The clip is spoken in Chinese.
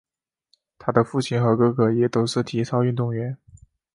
她的父亲和哥哥也都是体操运动员。